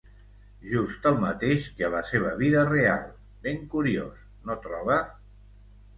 Just el mateix que a la seva vida real; ben curiós, no troba?